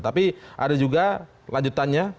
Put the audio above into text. tapi ada juga lanjutannya